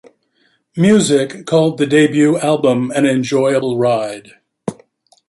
Music called the debut album an enjoyable ride.